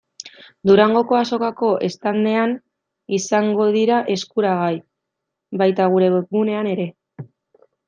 Durangoko Azokako standean izango dira eskuragai, baita gure webgunean ere.